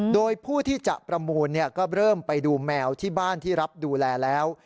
โดยผู้ที่จะประมูลก็เริ่มไปดูแมวที่บ้านที่รับดูแลแล้ว